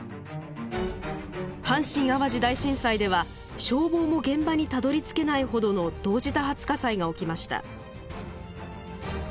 阪神・淡路大震災では消防も現場にたどりつけないほどの同時多発火災が起きました。